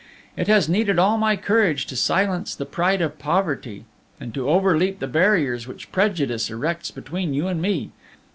"It has needed all my courage to silence the pride of poverty, and to overleap the barriers which prejudice erects between you and me.